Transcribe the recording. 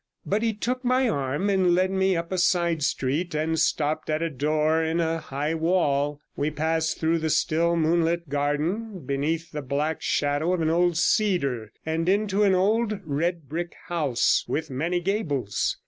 But he took my arm and led me up a side street, and stopped at a door in a high wall. We passed through the still, moonlit garden, beneath the black shadow of an old cedar, and into an old red brick house with many gables.